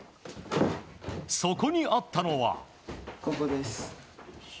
そこにあったのは。